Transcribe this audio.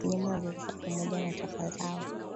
Wanyama waliokufa pamoja na taka zao